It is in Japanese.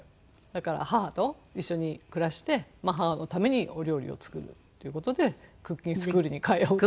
だから母と一緒に暮らして母のためにお料理を作るっていう事でクッキングスクールに通う。